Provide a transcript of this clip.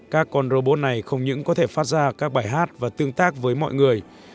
các con robot này không những có thể phát ra các bài hát và tương tác với mọi người